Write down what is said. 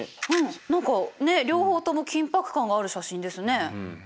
何かねっ両方とも緊迫感がある写真ですね。